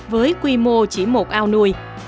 với quy mô chỉ một ao nuôi